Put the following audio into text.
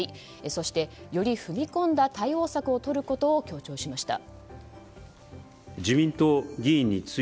そして、より踏み込んだ対応策をとることを強調しました。